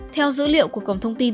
theo dữ liệu của cổng thông tin